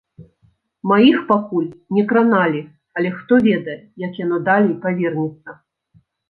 Маіх пакуль не краналі, але хто ведае, як яно далей павернецца.